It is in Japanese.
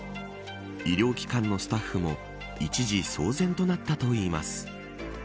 医療機関のスタッフも一時騒然となったといいます。